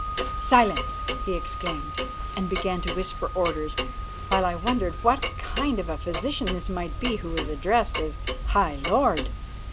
"Silence!" he exclaimed, and began to whisper orders, while I wondered what kind of a physician this might be who was addressed as "High Lord."